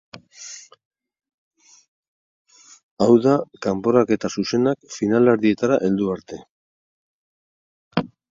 Hau da, kanporaketa zuzenak finalerdietara heldu arte.